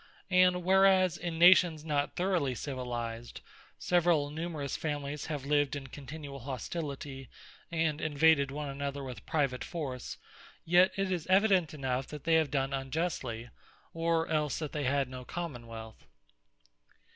And whereas in Nations not throughly civilized, severall numerous Families have lived in continuall hostility, and invaded one another with private force; yet it is evident enough, that they have done unjustly; or else that they had no Common wealth.